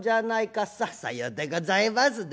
『さようでございますね。